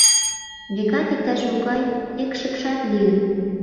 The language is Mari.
— Векат, иктаж-могай экшыкшат лийын.